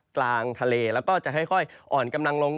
กลางทะเลแล้วก็จะค่อยอ่อนกำลังลง